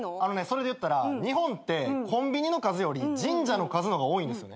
それでいったら日本ってコンビニの数より神社の数の方が多いんですよ。